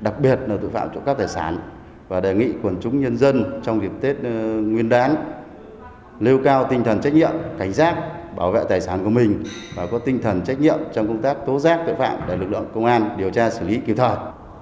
đặc biệt là tội phạm trộm cắp tài sản và đề nghị quần chúng nhân dân trong dịp tết nguyên đán nêu cao tinh thần trách nhiệm cảnh giác bảo vệ tài sản của mình và có tinh thần trách nhiệm trong công tác tố giác tội phạm để lực lượng công an điều tra xử lý kịp thời